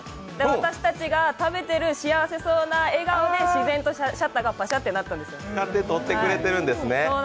私たちが食べてる幸せそうな笑顔で、自然とシャッターがバシャッとなったんですよ。